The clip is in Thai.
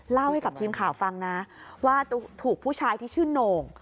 เล่าให้กับทีมข่าวฟังนะว่าถูกผู้ชายที่ชื่อโหน่ง